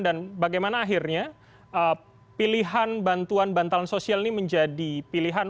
dan bagaimana akhirnya pilihan bantuan bantalan sosial ini menjadi pilihan